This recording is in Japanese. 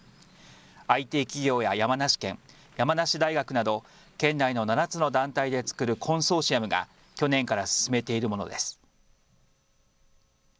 ＩＴ企業や山梨県、山梨大学など県内の７つの団体で作るコンソーシアムが去年から進めているものです。